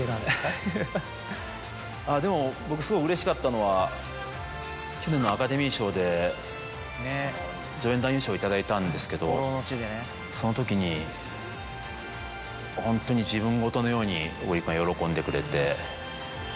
でも僕すごいうれしかったのは去年のアカデミー賞で助演男優賞を頂いたんですけどその時にホントに自分事のように小栗君が喜んでくれて。